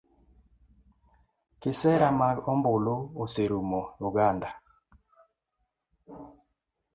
Kisera mag ombulu oserumo uganda